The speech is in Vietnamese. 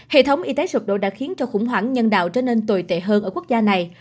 hệ thống y tế sụp đổ đã khiến cho khủng hoảng nhân đạo trở nên tồi tệ hơn ở quốc gia này